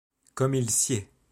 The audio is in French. Comme il sied.